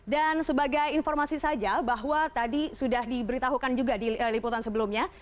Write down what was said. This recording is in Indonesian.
dan sebagai informasi saja bahwa tadi sudah diberitahukan juga di liputan sebelumnya